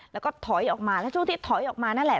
แล้วก็ถอยออกมาแล้วช่วงที่ถอยออกมานั่นแหละ